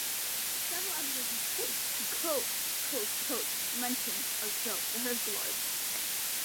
Several episodes of "Space Ghost Coast to Coast" mention or show the Herculoids.